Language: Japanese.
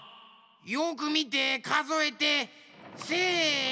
よくみてかぞえてせの！